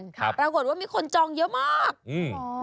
ปรากฏว่ามีคนจองเยอะมากอืม